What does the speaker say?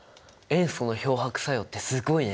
塩素の漂白作用ってすごいね。